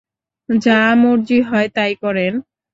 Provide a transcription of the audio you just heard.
যা মর্জি হয় তাই করেন?